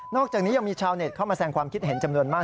อกจากนี้ยังมีชาวเน็ตเข้ามาแสงความคิดเห็นจำนวนมาก